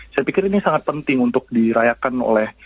saya pikir ini sangat penting untuk dirayakan oleh